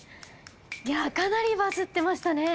かなりバズってましたね。